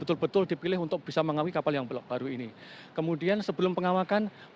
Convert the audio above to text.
untuk bisa menghandle serangan